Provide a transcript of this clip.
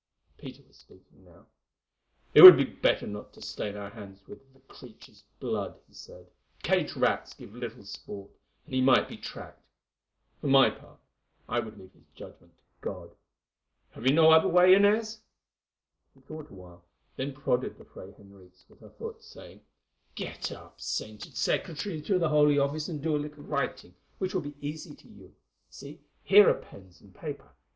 Peter was speaking now. "It would be better not to stain our hands with the creature's blood," he said. "Caged rats give little sport, and he might be tracked. For my part, I would leave his judgment to God. Have you no other way, Inez?" She thought a while, then prodded the Fray Henriques with her foot, saying: "Get up, sainted secretary to the Holy Office, and do a little writing, which will be easy to you. See, here are pens and paper.